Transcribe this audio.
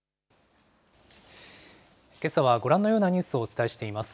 けさはご覧のようなニュースをお伝えしています。